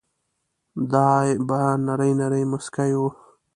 دای به نری نری مسکی و.